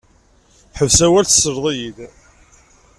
Ḥbes awal tesleḍ-iyi-d.